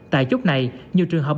tại chốt này nhiều trường hợp